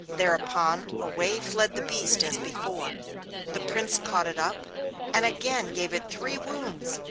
Thereupon away fled the beast as before. The Prince caught it up, and again gave it three wounds.